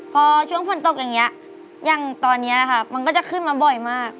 พอช่วงฝนตกอย่างนี้อย่างตอนนี้นะคะมันก็จะขึ้นมาบ่อยมาก